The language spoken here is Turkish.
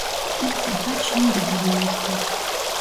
İlk defa Çin de bulunmuştur.